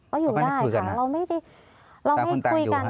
ก็อยู่ได้ค่ะเราไม่คุยกัน